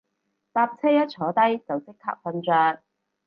搭車一坐低就即刻瞓着